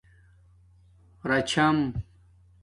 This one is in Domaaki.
راچھم